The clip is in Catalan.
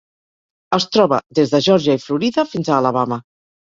Es troba des de Geòrgia i Florida fins a Alabama.